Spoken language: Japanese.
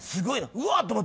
うわっと思って。